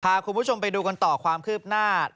พาคุณผู้ชมไปดูกันต่อความคืบหน้า